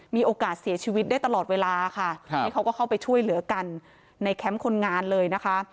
มีโอกาสเสียชีวิตได้ตลอดเวลาค่ะนี่เขาก็เข้าไปช่วยเหลือกันในแคมป์คนงานเลยนะคะ